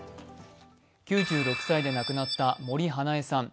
９６歳で亡くなった森英恵さん。